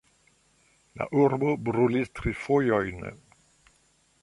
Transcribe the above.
La urbo brulis tri fojojn.